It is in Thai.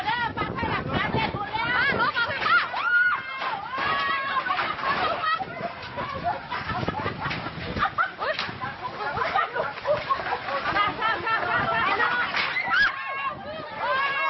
ข้าว